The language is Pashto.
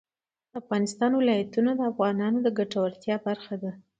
د افغانستان ولايتونه د افغانانو د ګټورتیا برخه ده.